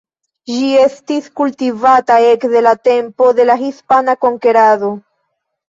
Ĝi estis kultivata ekde la tempo de la hispana konkerado.